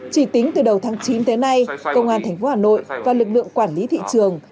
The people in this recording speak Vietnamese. chỉ tính từ đầu tháng chín tới nay công an tp hà nội và lực lượng quản lý thị trường